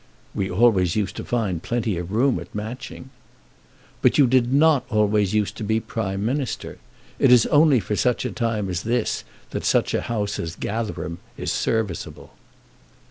"We always used to find plenty of room at Matching." "But you did not always use to be Prime Minister. It is only for such a time as this that such a house as Gatherum is serviceable."